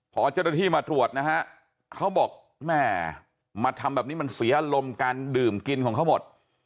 พอเจ้าหน้าที่มาตรวจนะฮะเขาบอกแม่มาทำแบบนี้มันเสียอารมณ์การดื่มกินของเขาหมด